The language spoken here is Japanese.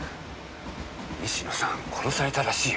西野さん殺されたらしいよ。